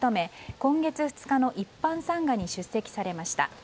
今月２日の一般参賀に出席されました。